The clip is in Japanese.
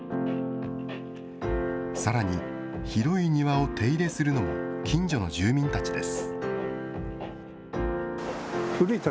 さらに、広い庭を手入れするのも、近所の住民たちです。